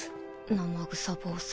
生臭坊主。